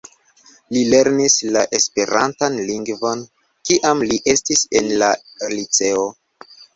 Li lernis la esperantan lingvon kiam li estis en la liceo.